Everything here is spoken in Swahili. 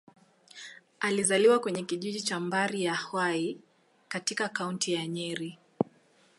Alizaliwa kwenye kijiji cha Mbari-ya-Hwai, katika Kaunti ya Nyeri.